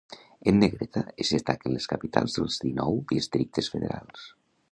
En negreta es destaquen les capitals dels nou Districtes Federals.